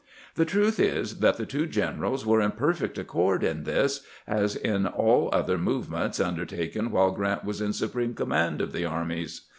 The truth is that the two generals were in perfect accord in this, as in aU other movements undertaken while Grant was in supreme command of the armies.